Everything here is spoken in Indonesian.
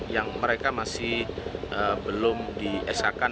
yang mereka masih belum diesakan